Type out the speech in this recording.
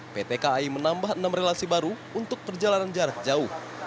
pt kai menambah enam relasi baru untuk perjalanan jarak jauh